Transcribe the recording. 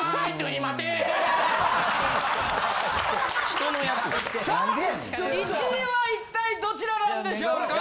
・人のやつ・さあ１位は一体どちらなんでしょうか？